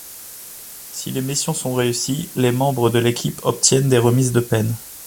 Si les missions sont réussies, les membres de l'équipe obtiennent des remises de peine.